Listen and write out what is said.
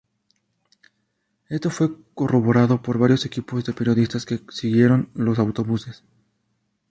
Esto fue corroborado por varios equipos de periodistas, que siguieron los autobuses.